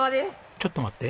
ちょっと待って。